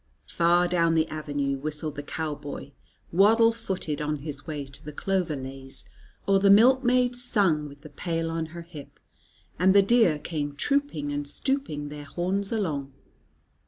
Far down the avenue whistled the cowboy, waddle footed, on his way to the clover leys, or the milkmaid sung with the pail on her hip, and the deer came trooping and stooping their horns along.